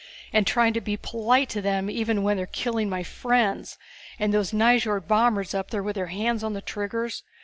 And trying to be polite to them even when they are killing my friends, and those Nyjord bombers up there with their hands on the triggers.